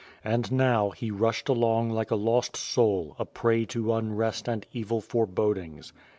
And now, he rushed along, like a lost soul, a prey to unrest and evil forebodings.